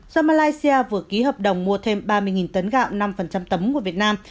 do malaysia vừa ký hợp đồng mua thêm ba mươi tấn gạo năm tấm của việt nam